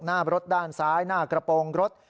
หน้ารถด้านซ้ายหน้ากระโปรงรถ